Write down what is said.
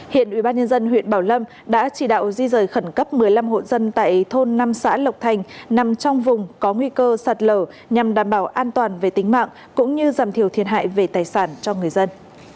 hiện ubnd huyện bảo lâm đã chỉ đạo di rời khẩn cấp một mươi năm hộ dân tại thôn năm xã lộc thành nằm trong vùng có nguy cơ sạt lở nhằm đảm bảo an toàn về tính mạng cũng như giảm thiểu thiệt hại về tài sản cho người dân